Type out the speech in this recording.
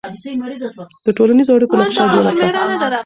د ټولنیزو اړیکو نقشه جوړه کړه.